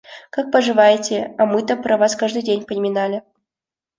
Как поживаете? А мы-то про вас каждый день поминали.